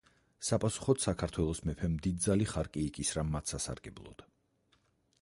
საპასუხოდ საქართველოს მეფემ დიდძალი ხარკი იკისრა მათ სასარგებლოდ.